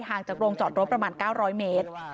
จากโรงจอดรถประมาณ๙๐๐เมตร